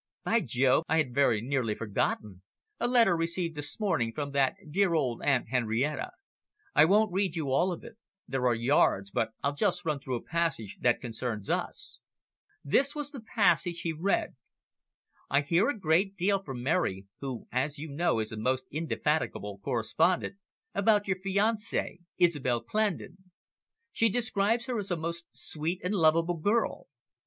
"By Jove, I had very nearly forgotten a letter received this morning from that dear old Aunt Henrietta. I won't read you all of it, there are yards, but I'll just run through a passage that concerns us." This was the passage he read. "I hear a great deal from Mary, who as you know is a most indefatigable correspondent, about your fiancee, Isobel Clandon. She describes her as a most sweet and lovable girl.